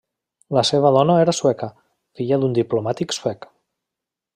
La seva dona era sueca, filla d'un diplomàtic suec.